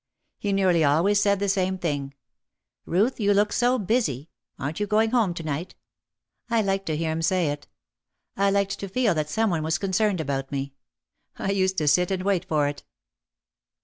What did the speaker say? He nearly always said the same thing. "Ruth, you look so busy! Aren't you going home to night?" I liked to hear him say it. I liked to feel that some one was concerned about me. I used to sit and wait for it.